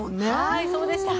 はいそうでした。